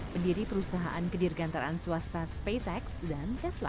pendiri perusahaan kedirgantaraan swasta spacex dan tesla